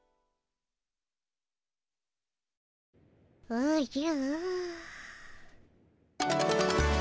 おじゃ。